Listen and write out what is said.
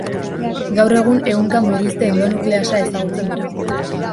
Gaur egun ehunka murrizte-endonukleasa ezagutzen dira.